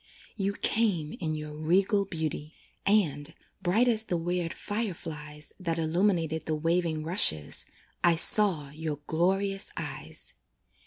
You came in your regal beauty, And, bright as the weird fire flies That illumined the waving rushes, I saw your glorious eyes.